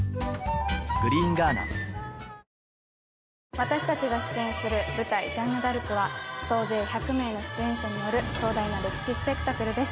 私たちが出演する舞台「ジャンヌ・ダルク」は総勢１００名の出演者による壮大な歴史スペクタクルです。